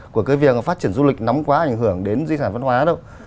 của cái việc phát triển du lịch nắm quá ảnh hưởng đến di sản văn hóa đâu